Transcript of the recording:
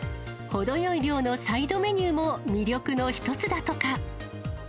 程よい量のサイドメニューも魅力の１つだとか。